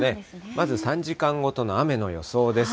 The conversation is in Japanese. まず３時間ごとの雨の予想です。